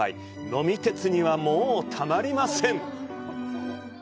呑み鉄にはたまりません！